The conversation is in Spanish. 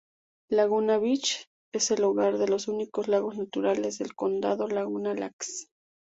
Laguna Beach es el hogar de los únicos lagos naturales del condado, Laguna Lakes.